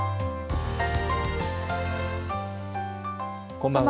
こんばんは。